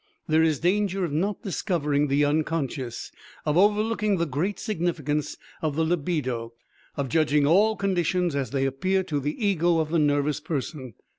There is danger of not discovering the unconscious, of overlooking the great significance of the libido, of judging all conditions as they appear to the ego of the nervous person.